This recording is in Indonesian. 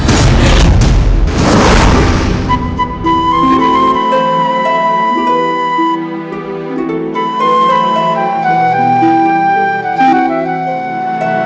akhirnya aku bisa mendapatkannya